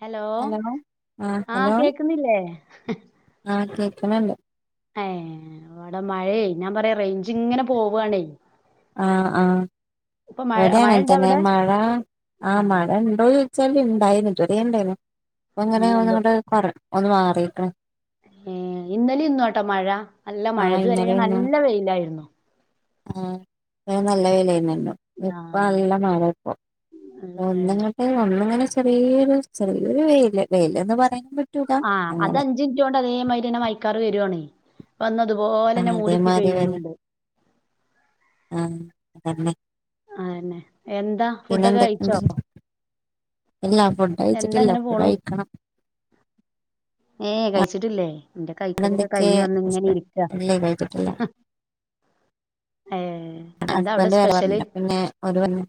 Hello ആ കേക്കുന്നില്ലേ ആ കേക്ക് ണ് ണ്ട് ഏ ഇവടെ മഴെ യ്യ് ഞാൻ പറയാ റൈഞ്ച് ഇങ്ങനെ പോവാണേ ആ ആ ഇപ്പൊ മഴ ഇവടെ മഴ അങ്ങൻ ഇണ്ട തന്നെ അവിടെ മഴ ആ മഴ ആഹ് ഇണ്ടോ ചോയിച്ചാല് ഇണ്ടായിനി ഇമ്പടിം ണ്ടനി അങ്ങനെ ഒന്ന് ങ്ങട്ട് കൊറി ഒന്ന് മാറിക്ക്ണ് ഏ ഇന്നലെ ഇന്നോട്ടൊ മഴ നല്ല ആ മഴ ഇതുവരെ ഇന്നലെ ഇന്നും നല്ല വെയിലായിരുന്നു ആ ഇതരെ നല്ല വെയിലായിന്നല്ലോ ഇപ്പ ആഹ് അല്ല മഴ ഇപ്പ നല്ല മഴയാണ് ഒന്ന്ങ്ങട്ട് ഒന്ന്ങ്ങനെ ചെറിയൊരു ചെറിയൊരു വെയില് വെയിലന്ന് പറയാ ആ അത് അഞ്ച്ൻറ്റോണ്ട് അതേമാതിരി ന്നെ മഴക്കാറ് വരുവാണേ വന്നതു ആ അതേമാതി വരാ ആ അതന്നെ അഅന്നെ എന്താ ഫുഡൊക്കെ കഴിച്ചോ ഇല്ലാ ഫുഡ് കഴച്ചിട്ട്ല്ലഫുഡ് കഴിക്കണം ഏ കഴിച്ച് ട്ട്ല്ലേ ഇന്റെ അവിടെ കൈക്കലൊക്കെ എന്തൊക്കെ കഴിഞ്ഞ് വന്ന് ഇങ്ങനെ ഇരിക്കാ ഇല്ലേ കഴിച്ചിട്ടില്ല ഹസ്ബന്റ് വേറെ പറഞ്ഞ്ണ് പിന്നെ ഓര് പർഞ്ഞു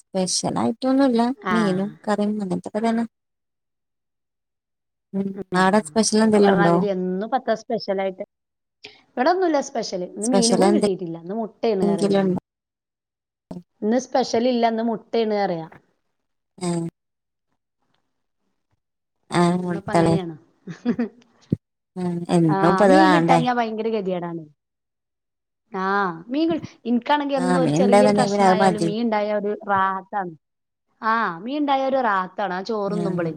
സ്പെഷ്യലായിട്ട് ഒന്നുല്ല ആഹ് മീനും കറീം അങ്ങൻ ത്തെ [unintelligible] താണ് ഉം ആടെ സ്പെഷ്യൽ ഒക്കെ എന്തെല്ലും ഉണ്ടോ പറഞ്ഞാതിരി ഇവടൊന്നുല്ല സ് സ്പെഷ്യല് ഇന്ന് മീന് സ്പെഷ്യൽ പോലും കിട്ടിട്ടില്ല ഇന്ന് മുട്ടെണ്റിയാഞാന് എന്തെങ്കിലും ഉണ്ടോ ഇന്ന് സ്- സ്പെഷ്യൽ ഇല്ലന്ന് മുട്ടേണ് റിയാ ആ ആ ഇന്ന് പ്പം മുട്ടളെ അങ്ങനെണ് ഉം ആ എന്നും ഇപ്പൊ അത് മീൻ വേണ്ടേ കിട്ടാഞ്ഞാ ഭയങ്കര കെതിയെ ടാണേ ആ മീൻ ഇനിക്കാണെങ്കിൽ ആ എന്നും ഒരു മീൻ ചെറിയൊരു ഉണ്ടായിരുന്നുണ്ടെങ്കിൽ പിന്നെ അത് കഷ്ണയാലും മതി മീൻ ഇണ്ടായ ഒരു റാഹത്താണ് ആഹ് മീ ഇണ്ടായ ഒരു റാഹത്താണ് ആ ഉം ചോറ്ന്നുമ്പളേ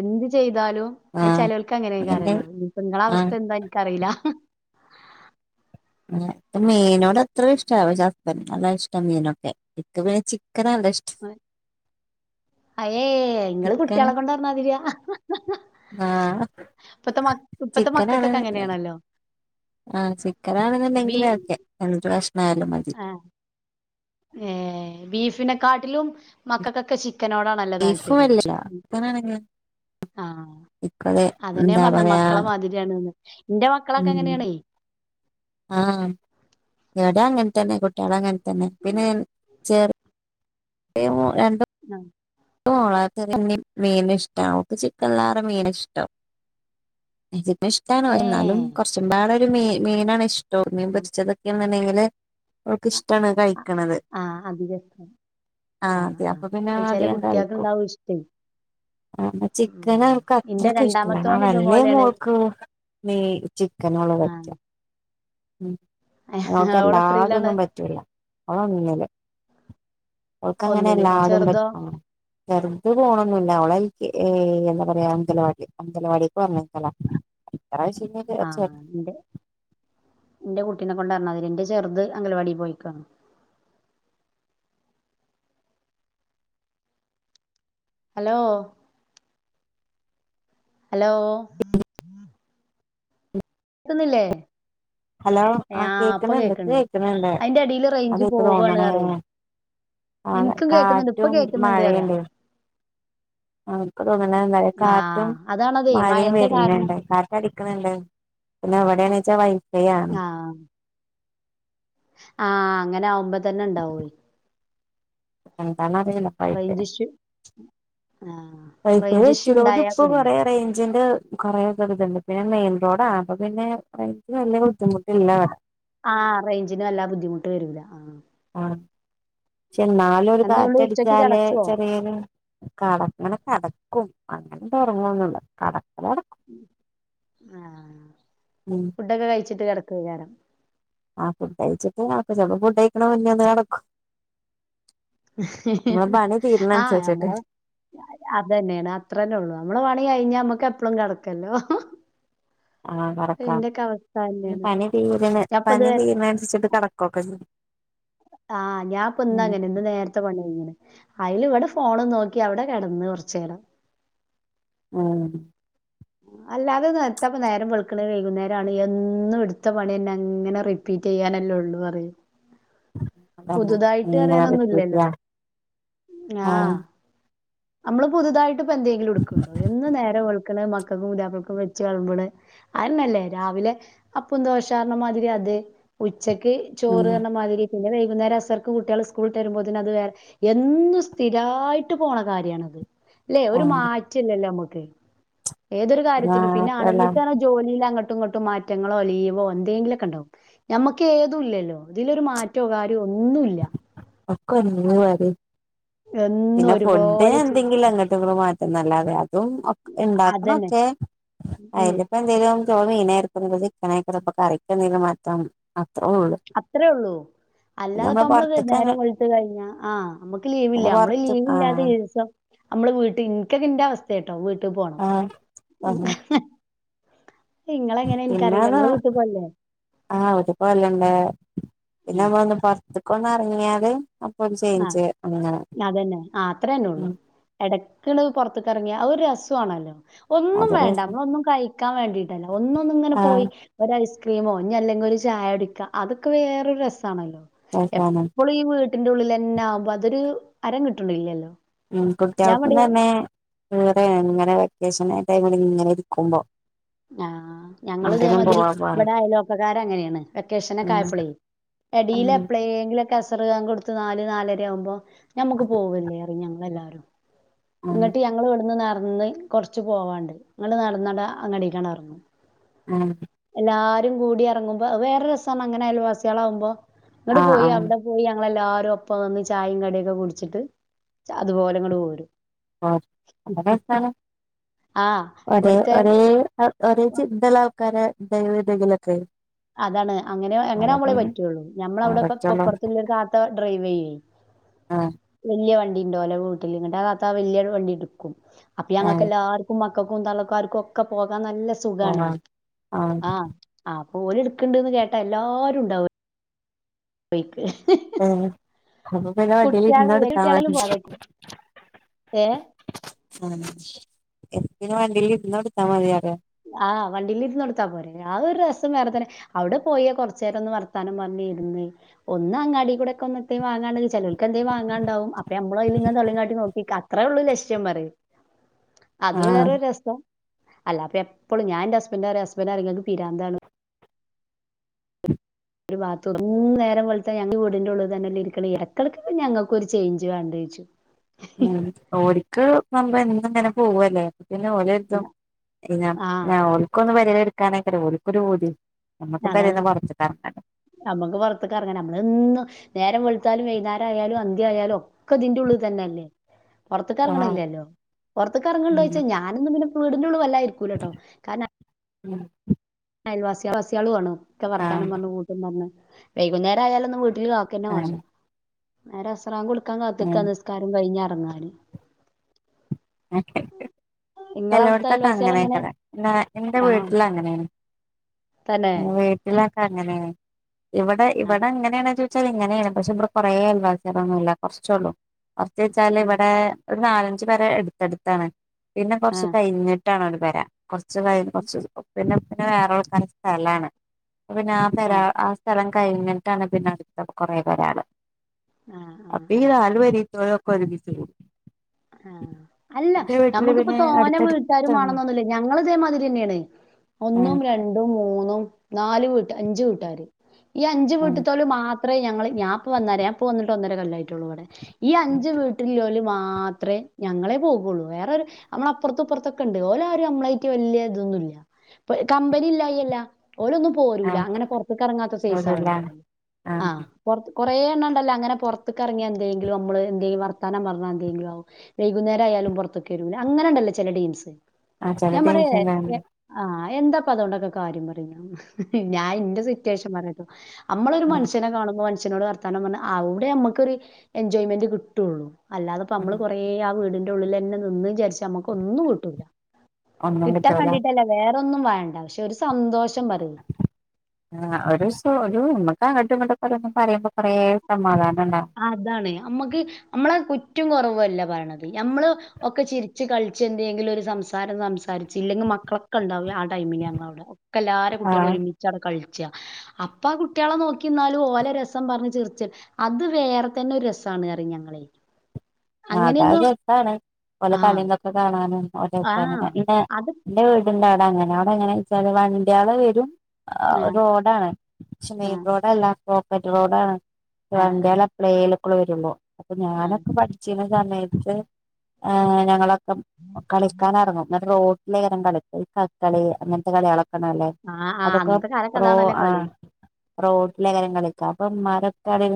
എന്ത്‌ ചെയ് താലും ആ ചെലോൽക്ക് മീന്റെ അങ്ങനെക്കാരെല്ലോ ഇഞ്ഞ് ഇങ്ങള ആ അവസ്ഥ എന്താ ഇൻക്കറീല്ല ൻക്ക് മീനോട് അത്രയുംഇഷ്ടപക്ഷേ ഹസ്ബന്റിന് അതാ ഷ്ടം മീനൊക്കെ ഇൻക്ക്‌ പിന്നെ ചി അയേ ഇങ്ങള് കു ചിക്കൻ ട്ട്യോളെ കൊണ്ട്റഞ്ഞാതിരാ ആ ഇപ്പത്തെ മ ഇപ്പത്തെ ചിക്കനാണ് മക്കൾക്കൊക്കെ അങ്ങനെയാണല്ലോ ആ ബീ ചിക്കനാണെന്നുണ്ടെങ്കി ഓ ക്കെ രണ്ട് കഷ് ണായാലും മതി ആ [unintelligible] നെ കാട്ടിലും മക്കക്കൊക്കെ ചിക്കനോടാണല്ലേ ബീഫ് താല്പര്യം വലിയ ചിക്കനാണെങ്കിൽ ആ ഇപ്പത് അതന്നെ ഞാ എന്താ പറഞ്ഞേ പറയാ മക്കളെ മാതിരിയാണ്ന്ന് എന്റെ മക്കളൊക്കെ ഉം അങ്ങനെയാണേ ആ ഈടങ്ങ ൻതന്നെ കുട്ടികള അങ്ങനെ തന്നെ പിന്നെ ചേർ [unintelligible] [unintelligible] മീന് ഇഷ്ടം ഓക്ക് ചിക്കൻല്ലാറെ മീന് ഇഷ്ടം ഇജ്പ്പ ഇഷ്ടാണ് ഏ ന്നാലും കുറച്ചുംപാടെ ഒരു മീ മീനാണ് ഇഷ് ട്ടോർ മീൻ പെരിച്ചതൊക്കെയന്നുണ്ടെങ്കില് അവൾക്ക്‌ ഇഷ്ടാണ് കഴിക്കണത് ആ അധികം ഇഷ്ടം ആ അതെ അപ്പ പിന്ന അധി കം എന്താ കുട്ടിയല്ക്ക്ക്ക്ണ്ടാവും ഇഷ്ടേ ആ ചിക്കൻ അവൾക്ക് ഇന്റെ അത്രക്കെ ഇഷ്ടല്ല ആ രണ്ടാമത്തോന് വല്യേ ഇതുപോലെയാണ് മോൾക്ക് നെയ് ചിക്കനൊള്ള ആ പറ്റാ ഉം അവക്ക് ഓളെത്രയിലാണ് അല്ലാതൊന്നും പറ്റൂല ഓൾ ഒന്നില് അവൾക്ക് അങ്ങനെ ഒന്നില് ആ എല്ലാതും ചെറുതോ പറ്റൂല്ല ചെറുത് പോണൊന്നില്ല ഓൾ ഏ എന്താ പറയാ അംഗലവാടി അംഗലവാടിക്ക് പറഞ്ഞയക്കലാ [unintelligible] എറെ കുട്ടീനെ കൊണ്ട് പറഞ്ഞമാതിരിയ എന്റ ചെറുത് അംഗലവാടീ പോയിക്കാണ് ഹലോ ഹലോ കേക്കുന്നില്ലെ ഹലോ ആ ഇപ്പൊ കേക്കുന്നുണ്ട് ഇക്ക് കേക്കണ്ട് കേക്കുന്നുണ്ട് അതിന്റെ എടില് റേഞ്ച് അതെനിക്ക് പോവാണ് തോന്നണേ അറി കാല എനിക്കും കേക്കുന്നുണ്ട് ഇപ്പൊ കാറ്റും കേക്കുന്നുണ്ട് അറിയാ ആ ക്ക് ഇപ്പൊ അങ്ങനെന്നെ കാറ്റും അതാണതേ മഴയും മഴന്റെ കാരണം വരനോണ്ട് കാറ്റ അടിക്കുന്നണ്ട് എന്ത പിന്നെ അവിടെയാണച വൈ ആ ആ അങ്ങനെ ആകുമ്പോ തന്നെ ഇണ്ടാവുവായി [unintelligible] ഇഷ്യൂ ആ വൈഫൈ റേഞ്ച് ഇഷ്യൂ വച്ചതോണ്ട് ഉണ്ടായാ ഇപ്പൊ കുടുങ്ങും കൊറെ റേഞ്ചിന്റെ കുറേയൊക്കെ ഒരു ഇതുണ്ട് പിന്നെ മെയിൻ റോഡാ അപ്പൊ പിന്നെ വൈഫൈ വലിയ ബുദ്ധിമുട്ട് ആ റേഞ്ചിന് നല്ലാ ബുദ്ധിമുട്ട് വരുല്ല ആ ആ പക്ഷെ എന്നാലും ഒരു എന്താ നിങ്ങള് ഉച്ചക്ക് കാറ്റടിച്ചാല് കിടക്കുവോ ചെറിയൊരു [unintelligible] ക്കും അങ്ങനെത്തെ ഉറങ്ങുവൊന്നുവില്ല കിട ആ ഉം ഫുഡൊക്കെ കഴിച്ചിട്ട് കിടക്കുക്കരാം ആ ഫുഡ് കഴിച്ചിട്ട് അപ്പൊ ചിലപ്പോ ഫുഡ് കഴിക്കണ മുന്നേ ഒന്നു കിടക്കും ആ അനുസരിച്ചിട്ട് ഞമ്മള് അത് തന്നെയാണ് അത്ര തന്നേ ഉള്ളൂ നമ്മള് പണി കഴിഞ്ഞ നമ്മുക്ക് എപ്പളം കിടക്കാല്ലോ ആ കിടക്കാം തന്നെയാണ് പണി തീരണ ഞാനിപ്പോ ഇത് പണി തീരണ അനുസരിച്ചിട്ട് കിടക്കൊക്കെ ചെയ്യും ആ ഞാൻ ഇപ്പം ഇന്നാ ഉം അങ്ങനെ ഇന്ന് നേരത്തെ പണി കഴിഞ്ഞണ് അയില് ഇവിടെ ഫോണ് നോക്കി അവിടെ കിടന്ന് കുറച്ചുനേരം ആം അല്ലാതെ ഇത് പ്പത്താ നേരം വെളുക്കണ വൈകുന്നേരം ആണ് എന്നും എടുത്ത പണി തന്നെ അങ്ങനെ റിപ്പീറ്റ് ചെയ്യാനല്ലേ ഉള്ളൂ റിയ അതന്നെ പുതുതായിട്ട് ഇങ്ങനെ അറിയാനൊന്നും ഇല്ലല്ലോ വികൃതിയാ ആ ആഹ് നമ്മള് പുതുതായിട്ട് ഇപ്പോ എന്തെങ്കിലും എടുക്കണ്ടോ എന്ന് നേരം വെളുക്കു ക്കണ് മക്കൾക്കും പുതിയപ്പളക്കും വെച്ച് വിളമ്പണ് അതെന്നെലെ രാവിലെ അപ്പം ദോശാന്ന് പറഞ്ഞ മാതിരി ഉച്ചക്ക് ഉം ചോറുന്ന പറഞ്ഞ മാതിരി പിന്നെ വൈ കുന്നേരം അസർക്ക് കുട്ടികള് സ്കൂള് വിട്ട് വരുമ്പോതെന്ന് അത് വേറെ എന്നും സ്ഥിരായിട്ട് പോണ കാര്യണത് അല്ലെ ഒരു ആഹ് മാറ്റല്ലല്ലോ നമ്മുക്ക് ഏതൊരു കാര്യത്തിനും പിന്നെ ആണുങ്ങൾക്കാണേ ജോലിൽ അങ്ങട്ട് ങ്ങട്ടും ഇങ്ങട്ടും മാറ്റങ്ങളോ ലീവോ എന്തെങ്കിലുമൊക്കെ ഇണ്ടാവും ഞമ്മക്ക് ഏതും ഇല്ലല്ലോ ഇതിലൊരു മാറ്റോ കാ [unintelligible] എന്നും പിന്നെ ഫുഡ് ഒരുപോലെ ചെയ്യും എന്തെങ്കിലും അങ്ങ [unintelligible] മാറ്റുന്നല്ലാതെ അതും അതന്നെ ഉണ്ടാക്കണതോക്കെ ഉം അയില് ഇപ്പം എന്തേലും പ്രിപ്ര [unintelligible] കറിക്ക് എന്തേലും മാറ്റം അത്രേ ഉള്ളൂ അല്ല പിന്നെ ല്ലാതെ ഇപ്പൊ നമ്മള് പൊറത്ത്ക്കന്നെ നേരം വെളുത്ത് കഴിഞ്ഞ ആഹ് നമ്മുക്ക് ലീവ് പിന്നെ ഇല്ലാ നമ്മള് പൊറത്ത് ലീവ് ഇല്ലാതെ ആഹ് ദിവസം- നമ്മള് വീട്ട ഇനിക്കൊക്കെ ഇന്റെ അവസ്ഥ കേട്ടോ വീട്ടിൽ പോണം ആഹ് നിങ്ങളെങ്ങനെ പിന്നെ എനിക്കറിയില്ല ആ നിങ്ങള് വീട്ടിൽ പോവല്ലേ ആ വീട്ടി പോവലുണ്ട് പിന്നെ ഉം ഞമ്മള് ഒന്ന് പുറത്തേക്ക് ഒന്നു ഇറങ്ങിയാല് ആ അതന്നെ ആ അത്രേ തന്നെ ഉള്ളു ഉം എട [unintelligible] പുറത്തേക്ക് ഇറങ്ങിയ അതൊരു രസവാണലോ ഒന്നും അതൊരു വേണ്ട രസം നമ്മളൊന്നും കഴിക്കാൻ വേണ്ടിട്ടല്ല ഒന്നു ഒന്നിങ്ങനെ ആഹ് പോയി ഒരു ഐസ് ക്രീമോ ഇനി അല്ലെങ്കി ഒരു ചായ കുടിക്ക അതൊക്കെ വേറൊരു രസാണല്ലോ രസാണ് എപ്പളും ഈ വീ ട്ടിന്റെ ഉള്ളിൽ തന്നൊവുമ്പോ അതൊരു ഹരം കിട്ടണില്ലല്ലോ ഉം കുട്ടികൾക്ക് തന്നെ വേറെ ഇങ്ങനെ വെക്കേഷൻ ആ [unintelligible] ഇങ്ങനെ ഇരിക്കുമ്പോ ആ ഞങ്ങള് എങ്ങട്ടേലും ഇതേമാതിരി പോവാ പറയും ഇവിടെ അയൽവക്കക്കാര് അങ്ങനെയാണ് വെക്കേഷനൊക്കെ ഉം ആയപ്പളേ അടില് ഉം എപ്പളെങ്കിലും കസർ കൊടുത്ത് നാല് നാലര ആവുമ്പോ ഞമുക്ക് പോകല്ലേ ഇറി ഞങ്ങൾ എല്ലാവരും ഉം ഇങ്ങിട്ട് ഞങ്ങള് ഇവിടുന്ന് നടന്ന് കൊറച്ച് പോവാണ്ട് ഇങ്ങ് നടന്നട അങ്ങട്ട [unintelligible] ആ ആരും കൂടി ഇറങ്ങുമ്പോ വേറെ രസമാണ് അങ്ങനെ അയൽവാസികളാകുമ്പോ അങ്ങോ ആഹ് പോയി ആഹ് അവിടെ പോയി ല്ലാവാരും ഒപ്പം വന്ന് ചായയും കടിയൊക്കെ കുടിച്ചിട്ട് അതുപോലെ ഇങ്ങൂടെ പോരും ആ അങ്ങനൊണ് ആഹ് അതെ ഇവിടുത്തെ ഒരേ ഒരേ ചിന്തല ആൾക്കാര ദൈവതെങ്കിലൊക്കെ അതാണ് അങ്ങനെ അങ്ങനെ ആകുമ്പോളേ പറ്റുവുള്ളൂ ഞമ്മള പടച്ചോനോ അവിടെപ്പറത്തുള്ളത്ത ഡ്രൈവ് ചെയ്യേ ആഹ് വലിയ വ ണ്ടോല വീട്ടിൽ ഇത്ത വല്യരു വണ്ടി എടുക്കും അപ്പ ഞങ്ങക്ക് ആഹ് എല്ലാവർക്കും ക്കക്കും തള്ളക്കും ആർക്കും ഒക്കെ പോകാൻ നല്ല സുഖാണ് പോവാ ആഹ് ആ ആ ഓര് എടുക്കണ്ടന്ന് കേട്ടാ എല്ലാരും ഉണ്ടാവ പോയിക്ക് കുട്ട്യാള് വല്യ കുട്ട്യാളെല്ലാം പോകാതെ നിക്കും. [unintelligible] ഏഹ് ആ എന് വണ്ടിൽ ഇരുന്ന് എടുത്താ മതിയറ ആഹ് വണ്ടിയിലിരുന്ന് കൊടുത്താ പോരെ ആ ഒരു രസം വേറെ തന്നെ അവിടെ പോയ കൊറച്ചു നേരൊന്ന് വർത്താനും പറഞ്ഞ് ഇരുന്ന് ഒന്ന് അങ്ങാടി കൂടെ ഒക്കന്ന് വാങ്ങാ ചിലക്ക് എന്തേ വാങ്ങാണ്ടാവും അപ്പൊമ്മ [unintelligible] നോക്കിനിക്ക അത്രള്ളൂ ലക്ഷ്യം പറയും അത് വേറ ആഹ് രസ അല്ല ഇപ്പോൾ ഞാന്റെ ഹസ്ബൻഡ് ആ ഹസ്ബൻഡ ആങ്ങക്ക് പിരാന്താണ് ഒരു ബാത്റൂം നേരം കൊലുത്ത ഞങ്ങ വീടിന്റെ ഉള്ളിൽ തന്നെല്ല ഇരിക്ക ഇരക്കളക്ക് ഞങ്ങക്കൊരു ചേഞ്ച് വേണ്ട് ഇജും ഉം ഓര്ക്ക് നപ എന്നും ഇങ്ങനെ പോവല്ലേ പിന്നെ ഓലരിതും ഞാ ആഹ് ഞാ ഓക്കൊന്ന് പരില എടുക്കാനക്കറി ഓക്കൊരു പൂതി നമ്മക്ക് അതാണ് പെരേന്ന് പൊറത്ത്ക്കെറങ്ങണ്ടേ നമ്മുക്ക് പുറത്തക്ക ഇറങ്ങൻ നമ്മള ഇന്ന് നേരം വളത്താലും വൈകുന്നേരം ആയാലും അന്ത്യ ആയാലും ഒക്കെ ഇതിൻ്റെ ഉള്ളിൽ തന്നെ അല്ലേ പുറത്തക്ക് ആഹ് ഇറങ്ങണില്ലല്ലോ പുറത്തക്ക ഇറങ്ങണ്ട ഉം ചോച്ചാ ഞാനൊന്നും വീടിൻ്റുള്ളി വല്ല ഇരിക്കൂലട്ടോ കാരണം ഉം അയൽവാസിവാസികളു ആണ് ഒക്കെ വർത്താനം ആഹ് പറഞ്ഞു കൂട്ടു പറഞ്ഞ് വൈകുന്നേരം ആയാലൊന്നും വീ കാക്കന്നെ വേണ്ട ആഹ് നേരെ അസറാം കൊടുക്കാൻ കാത്ത് ഉം നിക്ക നിസ്കാരം കഴിഞ്ഞ കങ്ങാളി [inaudible] ഇങ്ങളെ അവിടുത്തെ ചെലവിടത്തൊക്കെ അയൽവാസികൾ എങ്ങനെ അങ്ങനെയൊക്കതെ എന്റെ ആഹ് വീട്ടില് അങ്ങനെയാണ് തന്നെ വീട്ടിലൊക്കെ അങ്ങനെ ഇവിടെ ആഹ് ഇവിടെ അങ്ങനെയണ ച്ച ഇങ്ങനെയാണ് പക്ഷേ ഇടെ കൊറേ അൽവാസൊന്നുമില്ല കുറച്ചള്ളൂ കുറച്ച് വെച്ചാൽ ഇവിടെ ഒരു നാലഞ്ച് പര എടുത്തെടുത്താണ് പിന്നെ ആഹ് കൊറച്ച് കഴിഞ്ഞിട്ടാണ് ഒരു പര കുറച്ച് കഴി കുറച്ച് ഉപ്പന്നെ ഒപ്പിനെ വേറെ ഉളക്കൻ സ്ഥലാണ് പിന്നെ ആ ആഹ് ആഹ് പരാ ആ സ്ഥലം കഴിഞ്ഞിട്ടാണ് പിന്നെ അടുത്ത കൊറെേ പരാള് ആഹ് അപ്പേ അലുവരി തുഴക്കറ വിചി ഹ് ആ അല്ല നമ്മുക്കിപ്പ പിന്നെ തോന വീട്ടാരും അടുത്തടുത്താണ് വണന്നൊന്നുമില്ല ഞങ്ങൾ ഇതേമാതിരി തന്നെയാണ് ഉം ഒന്നും രണ്ടും മൂന്നും നാല് വ് അഞ്ചു വീട്ടുകാര് ഈ അഞ്ച് ഉം വീട്ടത്തോല് മാത്രം അത്രേ ഞങ്ങള് ഞാപ്പ വന്നേ ഞപ്പ വന്നിട്ട് ഒന്നേരെ കല്ലായിട്ടുള്ളൂ ഇവിടെ ഈ ഉം അഞ്ച് വീട്ടിൽലൊല് മാ അത്രേ ഞങ്ങളെ പോകുള്ളൂ വേറരു ത്റെ ഞങ്ങളെപോകുള്ളു അപ്പുറത്തപ്പുറത്തൊക്കെ ഉണ്ട് ഓല ആരും നമ്മളായിട്ട് വലിയ ഇതൊന്നുംല്ല പ്പ് കമ്പനി ഇല്ലായി ഇല്ല ഓലൊ ന്നും പോരൂല്ല ആഹ് അങ്ങനെ പുറത്തക്ക് ഇറങ്ങാത്ത സൈസ് ആൾ വീടില്ല ഉണ്ടാവ ആ ആഹ് പുറത്ത് കുറെ എണ് ഉണ്ടല്ലോ അങ്ങെറത്തേ ഇറങ്ങിയ എന്തെങ്കിലും നമ്മള് എന്തെങ്കും വർത്താനം പറഞ്ഞാ എന്തെങ്കിലും ആും വൈകുന്നേരം ആയാലും പുറത്തൊക്കെ വരും അങ്ങനെ ഉണ്ടല്ലോ ചെല ഡെീംസ് ആഹ് ചില ഞാൻ പറായേ ദിവസം തന്നെ ഞ് ആാ എന്താപ്പം അതേണ്ടൊക്കെ കാര്യം പറഞ്ഞു ഞാൻ എന്റെ സിറ്റുവേഷൻ പറയത്തോ നമ്മളൊര് ഉം മനുഷനേ കാണുമ്പോ മനുഷ്യനോട് വർത്തനം പറഞ്ഞ് അവടെ നമുക്കൊര് എൻജോയ്മെന്റ് കിട്ടയോള്ളു അല്ലാതെ ഇപ്പം ഉം നമ്മള് കൊറേ ആ വീടിന്റെ ഒള്ളില് ന്നെ നിന്ന് വിചാരിച്ച നമ്മക്ക് ഒന്നും കിട്ടൂല്ല ഒന്നും കിട്ടാൻ കിട്ടൂല വേണ്ടിട്ടല്ലേ വേറെന്നും വേണ്ട പശെ ഒര് സ് ആാ ഒര് സ ഒരു അങ്ങ്ട്ടു ഇങ് ട്ടും ഓരേന്ന് പറയ്മ്പോ കൊറേ സമാധാന അതാണേ നമ്മക്ക് നമ്മളെ കു കുറ്റൊ കൊറവല്ല പറയണത് ഞമ്മള് ഒക്കെ ചിരിച്ച് കളിച്ച് എന്തെങ്കിലും ഒര് സംസാരം സംസാരിച്ചില്ലെ മക്കളൊക്കെ ഒണ്ടാവില്ല ആ ടൈമില് ഞങള് അവടെ ഒക്ക എല്ലാരെ കുട്ടിളും ആഹ് ഒര് മിച്ച് അവിടെ കാ അപ്പം കുട്ടിളെ നോക്കി നിന്നാലും ഓലെ രസം പറഞ്ഞ് ചിരിച് അത്- വേറെ തന്നെ ഒര് രസംയാണ് പറയും ഞങ്ങള് അതാ രസമാണ് ആഹ് [unintelligible] കാണാന് ആഹ് [unintelligible] അത് എന്റെ വീടിന്റെ അവടെ അങ്ങനെ അവടെ എങ്ങനെ വെച്ചാല് വണ്ടികള് വെരും ആ ആഹ് റോഡാണ് പക്ഷെ മെയിൻ ആഹ് റോഡ് അല്ല കോൺകാറെറ്റ് റോഡാണ് ആഹ് [unintelligible] വരുമ്പോ അപ്പൊ ആഹ് ഞാനൊക്കെ പഠ സമയത്ത് ഞങ്ങളൊക്കെ കളിക്കാൻ എറങ്ങും എന്നിട്ട് റേ [unintelligible] കളി [unintelligible] അങ്ങനത്തെ കളികളേ ണല്ലേ ആഹ് ആഹ് അതൊക്കെ അന്നത്തെ കാലത്ത് പ്രോ അതാണല്ലോ ആ കളി. റോഡിലാ എല്ലാരും കളിക്കണേ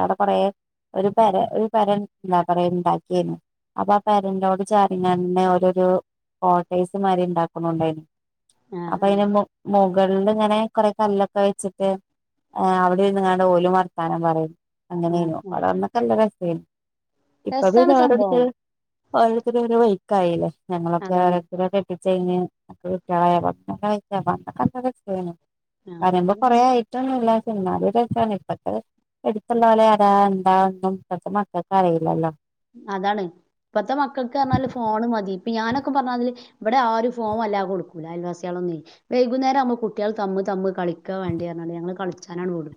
അവടെ കൊറേ [unintelligible] ഒര് പര ഒര് പര [unintelligible] എന്താ പറയാ ഒണ്ടാക്കിയന്ന് അപ്പൊ ആ [unintelligible] ചാറിങ്ങന്നെ [unintelligible] കോട്ടേസ് മാരി ഒണ്ടാക്ക്ന്നോണ്ടായി ആഹ് അപ്പൊ ആഹ് അയിനെ മെ മെ വെള്ളം ഇങ്ങനെ കൊറെ കല്ലൊക്കെ വെച്ചിട്ട് അവടെ ഇരുന്ന് എങ്ങാണ്ട് ഓല് വർത്താനം പറയും ആഹ് അങ്ങനെയെന്നു ആഹ് അത് അന്നൊക്കെ നല്ല രെസേയാനും ഇപ്പം- രസാണ് സംഭവം. ഓരോത്തര് ഒരോ വയിക്കായില്ലേ ഞങ്ങളൊക്കെ അതാണ്. ഓരോത്തരോ കെട്ടി- [unintelligible] പറയ്മ്പോ കൊറേ ആഹ് ആയിട്ടൊന്നും ഇല്ല [unintelligible] ഇപ്പത്തെ എട്ത്തുള്ളെ പോലെ [unintelligible] എന്താന്നും ഇപ്പാത്തേ മക്കക്ക് അറിയില്ലല്ലോ അതാണ് ഇപ്പത്തെ മക്കക്ക് എന്നാല് ഫോണ് മതി ഞാനൊക്കെ പറഞ്ഞാതില് ഇവടെ ആരും ഫോം വല്ലാതെ കൊടുക്കൂല അയൽവാസികളൊന്നുവെ വൈകുന്നേരം ആകുമ്പോ കുട്ടിള് തമ്മ് തമ്മ് കളിക്കാ വേണ്ടിയാ പറഞ്ഞാണ്ട് ഞങ്ങള് കളിച്ചാനാണ് വിടും